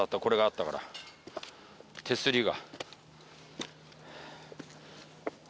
これがあったから手すりが。